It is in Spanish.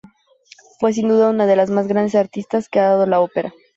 Fue sin duda una de las más grandes artistas que ha dado la ópera.